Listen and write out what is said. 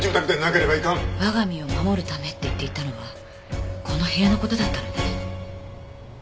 「我が身を守るため」って言っていたのはこの部屋の事だったのね。